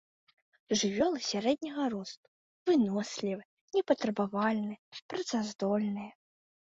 Жывёлы сярэдняга росту, вынослівыя, непатрабавальныя, працаздольныя.